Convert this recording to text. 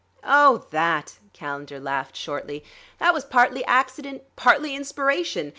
"Oh, that!" Calendar laughed shortly. "That was partly accident, partly inspiration.